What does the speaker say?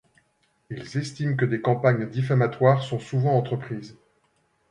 Ils estiment que des campagnes diffamatoires sont souvent entreprises.